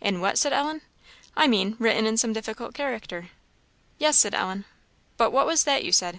"In what?" said Ellen. "I mean, written in some difficult character." "Yes," said Ellen. "But what was that you said?"